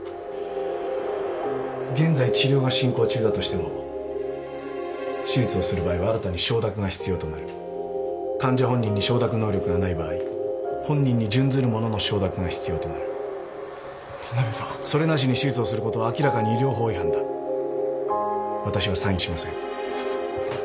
現在治療が進行中だとしても手術をする場合には新たに承諾が必要となる患者本人に承諾能力がない場合本人に準ずる者の承諾が必要となるそれなしに手術をすることは明らかに医療法違反だ私はサインしません